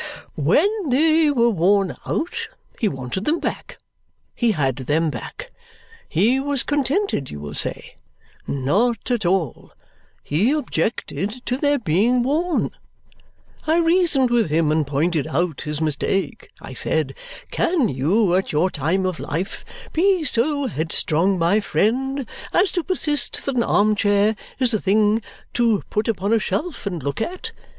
When they were worn out, he wanted them back. He had them back. He was contented, you will say. Not at all. He objected to their being worn. I reasoned with him, and pointed out his mistake. I said, 'Can you, at your time of life, be so headstrong, my friend, as to persist that an arm chair is a thing to put upon a shelf and look at?